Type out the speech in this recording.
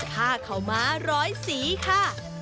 ผ้าขาวม้าร้อยสีค่ะ